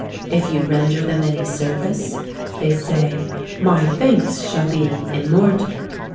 If you render them any service, they say, My thanks shall be immortal.